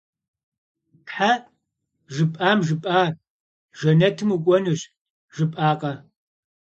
Тхьэ, жыпӀам, жыпӀа! Жэнэтым укӀуэнущ жыпӀакъэ?